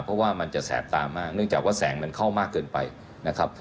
เพราะว่ามันจะแสบตามากเนื่องจากว่าแสงมันเข้ามากเกินไปนะครับ